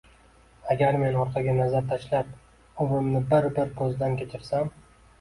…Agar men orqaga nazar tashlab, umrimni bir-bir ko‘zdan kechirsam